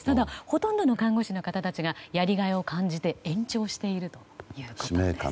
ほとんどの看護師の方がやりがいを感じて延長しているということです。